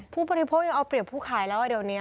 ผู้บริโภคยังเอาเปรียบผู้ขายแล้วเดี๋ยวนี้